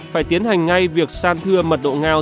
phải tiến hành ngay việc san thưa mật độ ngao